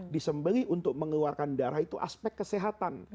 disembeli untuk mengeluarkan darah itu aspek kesehatan